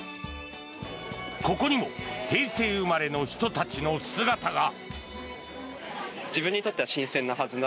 ここにも平成生まれの人たちの姿が。